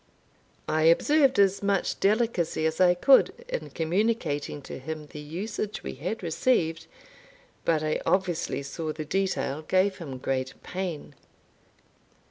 I observed as much delicacy as I could in communicating to him the usage we had received, but I obviously saw the detail gave him great pain.